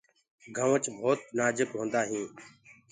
گنوُچ ڀوت نآجُڪ هوندآ هينٚ۔